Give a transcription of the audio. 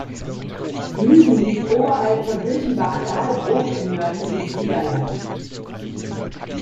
Müsen liegt oberhalb von Hilchenbach–Dahlbruch im nördlichen Siegerland.